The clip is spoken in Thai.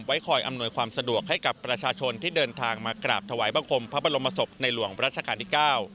คอยอำนวยความสะดวกให้กับประชาชนที่เดินทางมากราบถวายบังคมพระบรมศพในหลวงรัชกาลที่๙